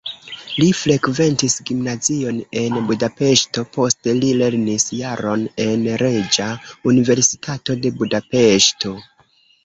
Li frekventis gimnazion en Budapeŝto, poste li lernis jaron en Reĝa Universitato de Budapeŝto.